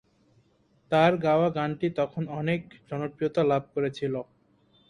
তার গাওয়া গানটি তখন অনেক জনপ্রিয়তা লাভ করেছিল।